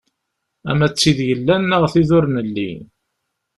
Ama d tid yellan, neɣ d tid ur nelli.